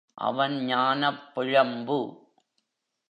அவன் ஞானப் பிழம்பு.